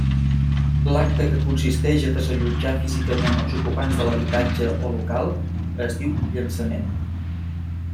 L'acte que consisteix a desallotjar físicament als ocupants de l'habitatge o local, es diu llançament.